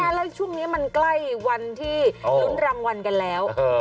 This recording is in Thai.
แม้ละช่วงนี้มันใกล้เวลานี้รุ่นรางวันกันแล้ว